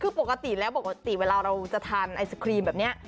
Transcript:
คือปกติแล้วปกติเวลาเราจะทานไอศครีมแบบนี้